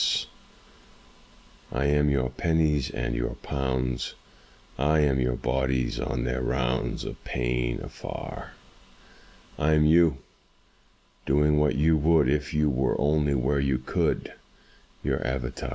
188 AUXILIARIES I am your pennies and your pounds; I am your bodies on their rounds Of pain afar; I am you, doing what you would If you were only where you could —■ Your avatar.